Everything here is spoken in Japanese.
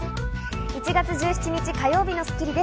１月１７日、火曜日の『スッキリ』です。